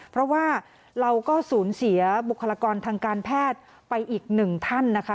เพราะว่าเราก็สูญเสียบุคลากรทางการแพทย์ไปอีกหนึ่งท่านนะคะ